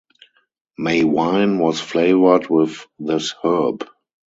May wine was flavored with this herb.